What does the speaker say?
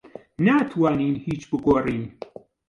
ناتوانین هیچ بگۆڕین.